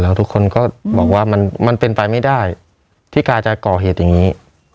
ทุกคนก็บอกว่ามันเป็นไปไม่ได้ที่กาจะก่อเหตุอย่างนี้